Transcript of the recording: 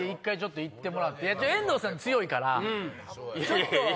遠藤さん強いから。